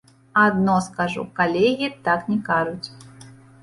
Адно скажу, калегі так не кажуць.